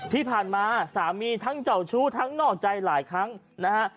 ที่ผ่านมาสามีทั้งเจ้าชู้ทั้งนอกใจหลายครั้งนะฮะ